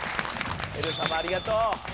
輝様ありがとう。